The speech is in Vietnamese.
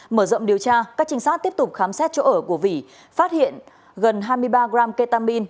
mở rộng điều tra các trinh sát tiếp tục khám xét chỗ ở của vĩ phát hiện gần hai mươi ba gram ketamine